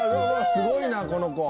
すごいなこの子。